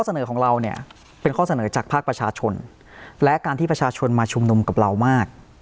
เสนอของเราเนี่ยเป็นข้อเสนอจากภาคประชาชนและการที่ประชาชนมาชุมนุมกับเรามาก